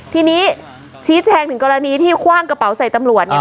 ทีนี้ชี้แจงถึงกรณีที่คว่างกระเป๋าใส่ตำรวจเนี่ย